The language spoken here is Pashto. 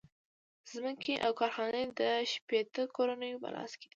ځمکې او کارخانې د شپیته کورنیو په لاس کې دي